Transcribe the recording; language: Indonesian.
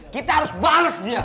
kita harus bales dia